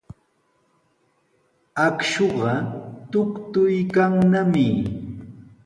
Akshuqa tuktuykannami.